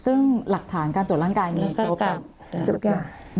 ซึ่งหลักฐานการตรวจร่างกายมีครบทุกอย่าง